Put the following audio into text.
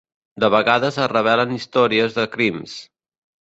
De vegades es revelen històries de crims.